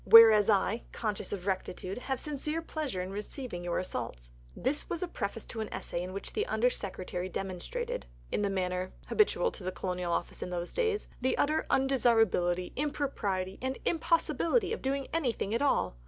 Whereas I, conscious of rectitude, have sincere pleasure in receiving your assaults." This was a preface to an essay in which the Under Secretary demonstrated, in the manner habitual to the Colonial Office in those days, the utter undesirability, impropriety, and impossibility of doing anything at all.